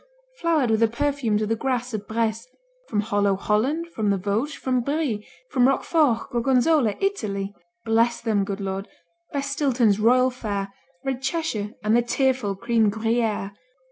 Flowered with the perfumes of the grass of Bresse, From hollow Holland, from the Vosges, from Brie, From Roquefort, Gorgonzola, Italy! Bless them, good Lord! Bless Stilton's royal fare, Red Cheshire, and the tearful cream Gruyère.